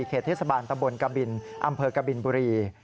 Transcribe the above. เขตเทศบาลตะบนกะบินอำเภอกบินบุรี